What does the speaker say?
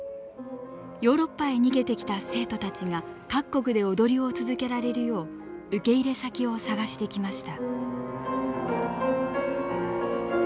ヨーロッパへ逃げてきた生徒たちが各国で踊りを続けられるよう受け入れ先を探してきました。